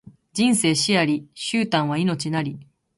人生死あり、終端は命なり